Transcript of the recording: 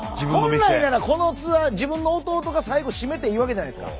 本来ならこのツアー自分の弟が最後締めていいわけじゃないですか。